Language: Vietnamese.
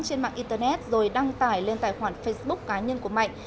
trên mạng internet rồi đăng tải lên tài khoản facebook cá nhân của mạnh